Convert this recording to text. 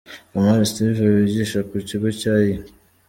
Kamali Steve wigisha ku kigo cya E.